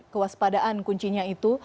kewaspadaan kuncinya itu